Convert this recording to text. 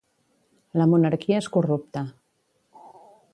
La monarquia és corrupta.